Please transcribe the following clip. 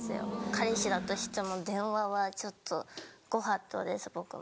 彼氏だとしても電話はちょっとご法度です僕も。